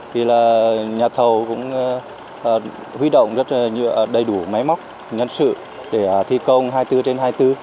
thì là nhà thầu cũng huy động rất đầy đủ máy móc nhân sự để thi công hai mươi bốn trên hai mươi bốn